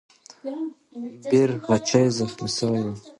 بیرغچی زخمي سوی وو.